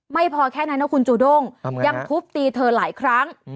ไม่พอแค่นั้นนะคุณจูด้งยังทุบตีเธอหลายครั้ง